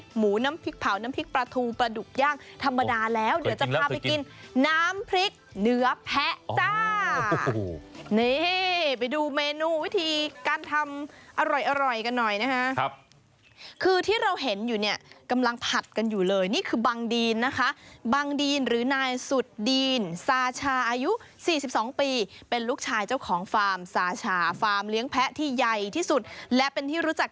หมูน้ำพริกเผาน้ำพริกปลาทูปลาดุกย่างธรรมดาแล้วเดี๋ยวจะพาไปกินน้ำพริกเนื้อแพะจ้านี่ไปดูเมนูวิธีการทำอร่อยกันหน่อยนะฮะคือที่เราเห็นอยู่เนี่ยกำลังผัดกันอยู่เลยนี่คือบังดีนนะคะบังดีนหรือนายสุดดีนซาชาอายุ๔๒ปีเป็นลูกชายเจ้าของฟาร์มซาชาฟาร์มเลี้ยงแพะที่ใหญ่ที่สุดและเป็นที่รู้จัก